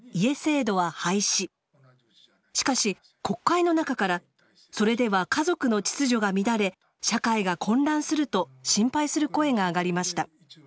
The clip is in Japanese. しかし国会の中からそれでは家族の秩序が乱れ社会が混乱すると心配する声があがりました。